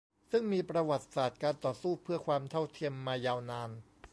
ซึ่งมีประวัติศาสตร์การต่อสู้เพื่อความเท่าเทียมมายาวนาน